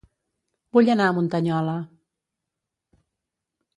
Vull anar a Muntanyola